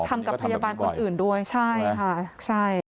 ทำกับพยาบาลคนอื่นด้วยใช่ค่ะใช่